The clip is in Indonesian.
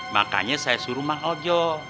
makanya saya suruh mah ojo